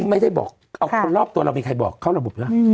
ไม่ได้บอกเอาคนรอบตัวเรามีใครบอกเข้าระบบแล้ว